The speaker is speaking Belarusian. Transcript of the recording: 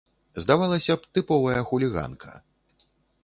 Здавалася б, тыповая хуліганка.